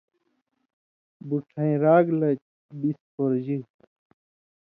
بُڇھئین٘راگ لہ بِس پورژِگ۔